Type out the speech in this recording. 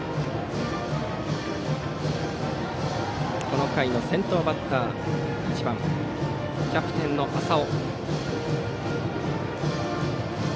この回の先頭バッター１番、キャプテンの朝生。